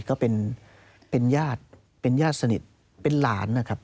เขาเป็นญาติสนิทเป็นหลานนะครับ